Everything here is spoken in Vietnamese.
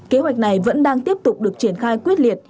kế hoạch này vẫn đang tiếp tục được triển khai quyết liệt